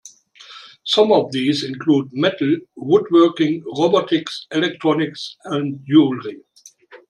Some of these include Metal, Woodworking, Robotics, Electronics and Jewelry.